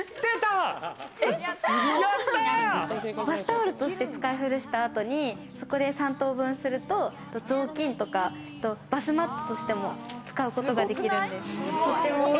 バスタオルとして使い古した後にそこで３等分すると、雑巾とかバスマットとしても使うことができるんです。